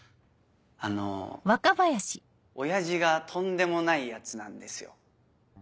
あの親父がとんでもないヤツなんですよ。